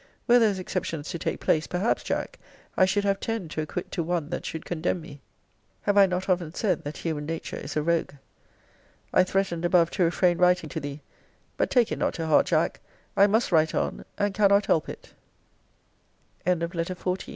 Were those exceptions to take place, perhaps, Jack, I should have ten to acquit to one that should condemn me. Have I not often said, that human nature is a rogue? I threatened above to refrain writing to thee. But take it not to heart, Jack I must write on, and cannot help it.